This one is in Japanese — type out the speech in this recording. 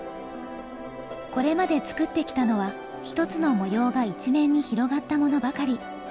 これまで作ってきたのは一つの模様が一面に広がったものばかり。